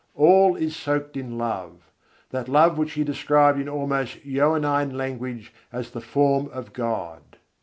All is soaked in love: that love which he described in almost Johannine language as the "Form of God."